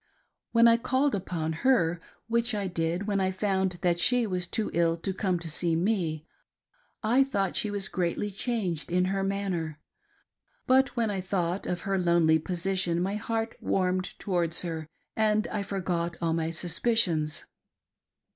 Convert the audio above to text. When I called upon her, which I did when I found that she was too ill to come to see me, I thought she was greatly changed in her manner, but when I thought of , her lonely position my heart warmed towards her and I forgot all my suspicions.